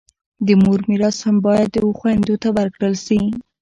د مور میراث هم باید و خویندو ته ورکړل سي.